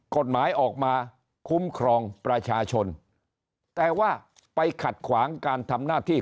กฎหมายออกมาคุ้มครองประชาชนแต่ว่าไปขัดขวางการทำหน้าที่